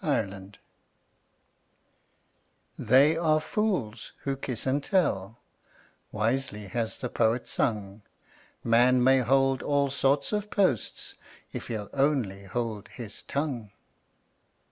PINK DOMINOES "They are fools who kiss and tell" Wisely has the poet sung. Man may hold all sorts of posts If he'll only hold his tongue.